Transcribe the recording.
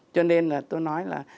cho nên là tôi nói là